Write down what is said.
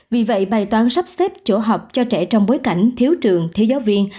vì vậy bài toán sắp xếp chỗ học cho trẻ trong bối cảnh thiếu trường thiếu giáo viên